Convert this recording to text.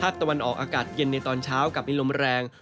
ตะวันออกอากาศเย็นในตอนเช้ากับมีลมแรง